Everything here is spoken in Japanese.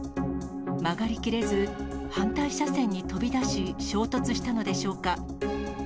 曲がりきれず、反対車線に飛び出し、衝突したのでしょうか。